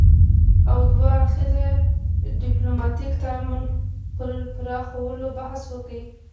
او دوه اړخیز ديپلوماتيک تعامل پر پراخولو بحث وکړ